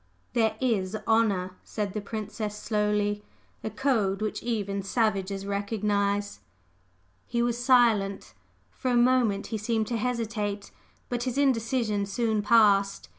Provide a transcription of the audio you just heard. "There is honor!" said the Princess, slowly; "A code which even savages recognize." He was silent. For a moment he seemed to hesitate; but his indecision soon passed.